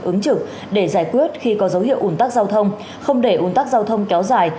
ứng trực để giải quyết khi có dấu hiệu ủn tắc giao thông không để ủn tắc giao thông kéo dài